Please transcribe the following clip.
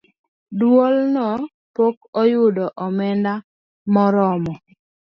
Duolno pok oyudo omenda maromo